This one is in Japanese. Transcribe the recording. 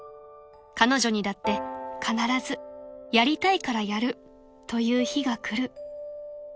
［彼女にだって必ずやりたいからやるという日が来る］